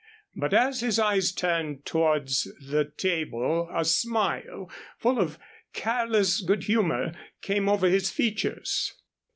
But as his eyes turned towards the table a smile, full of careless good humor, came over his features.